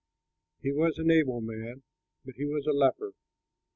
He was an able man, but he was a leper.